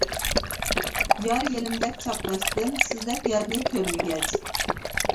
يار يېلىمدەك چاپلاشتىم، سىزدەك يارنى كۆرمىگەچ.